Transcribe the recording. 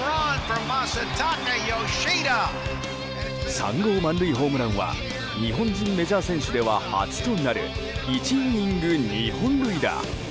３号満塁ホームランは日本人メジャー選手では初となる１イニング２本塁打。